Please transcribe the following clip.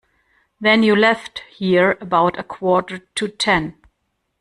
Then you left here about a quarter to ten.